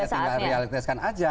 ya tinggal realitaskan aja